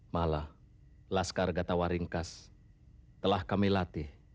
malah laskar gatawa ringkas telah kami latih